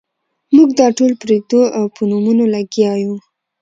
موږ دا ټول پرېږدو او په نومونو لګیا یو.